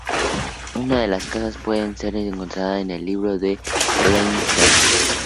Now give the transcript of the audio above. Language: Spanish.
Una de las casas puede ser encontrada en el Libro de Leinster.